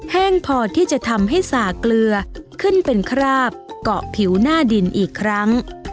แห้งพอที่จะทำให้สากเกลือขึ้นเป็นคราบเกาะผิวหน้าดินอีกครั้ง